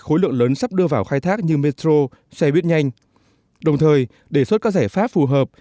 khối lượng lớn sắp đưa vào khai thác như metro xe buýt nhanh đồng thời đề xuất các giải pháp phù hợp